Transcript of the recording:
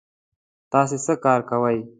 تاسې څه کار کوی؟